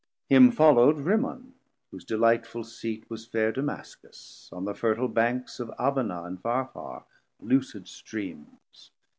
Him follow'd Rimmon, whose delightful Seat Was fair Damascus, on the fertil Banks Of Abbana and Pharphar, lucid streams.